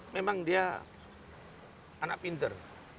memang dia anak pinter